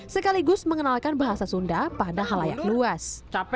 sekaligus mengenalkan bahasa sunda pada halayak luas